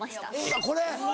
あっこれ。